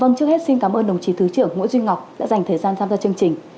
vâng trước hết xin cảm ơn đồng chí thứ trưởng nguyễn duy ngọc đã dành thời gian tham gia chương trình